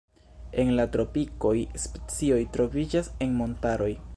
En la tropikoj specioj troviĝas en montaroj.